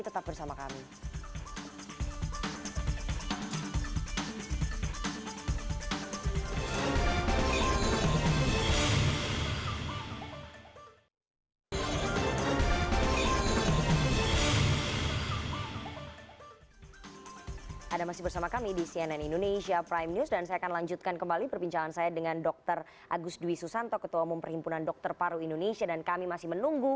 terima kasih terima kasih